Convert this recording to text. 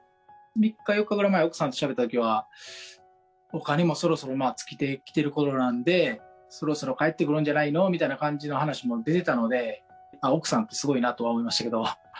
３日、４日ぐらい前、奥さんとしゃべったときは、お金もそろそろ尽きてきてるころなんで、そろそろ帰ってくるんじゃないのみたいな話も出てたので、奥さん、すごいなとは思いましたけれども。